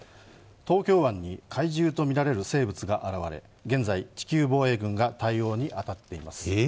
東京湾に怪獣とみられる生物が現れ現在、地球防衛軍が対応に当たっています。